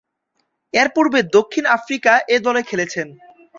এরপূর্বে দক্ষিণ আফ্রিকা এ দলে খেলেছেন।